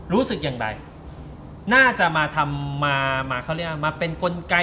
รู้สึกอย่างไรน่าจะมาทำมาเป็นกลไก